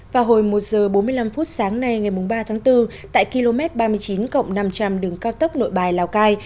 vào hồi một giờ bốn mươi năm phút sáng nay ngày ba tháng bốn tại km ba mươi chín cộng năm trăm linh đường cao tốc nội bài lào cai